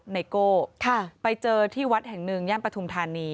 นายโก้ไปเจอที่วัดแห่งนึงย่านประธุมธานี